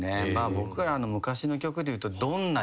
僕らの昔の曲でいうと。